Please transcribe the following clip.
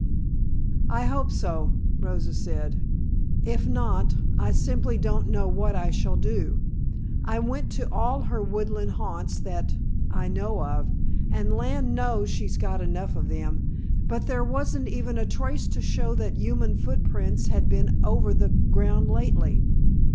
"I hope so," Rosa said, "if not, I simply don't know what I shall do. I went to all her woodland haunts that I know of, and land knows she's got enough of them, but there wasn't even a trace to show that human footprints had been over the ground lately.